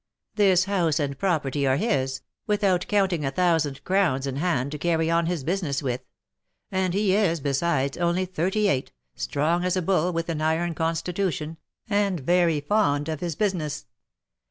This house and property are his, without counting a thousand crowns in hand to carry on his business with; and he is, besides, only thirty eight, strong as a bull, with an iron constitution, and very fond of his business.